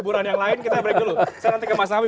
liburan yang lain kita break dulu saya nanti ke mas awi